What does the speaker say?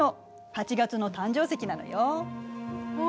８月の誕生石なのよ。わ